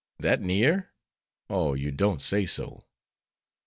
"That near? Oh, you don't say so!"